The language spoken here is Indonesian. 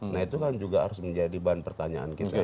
nah itu kan juga harus menjadi bahan pertanyaan kita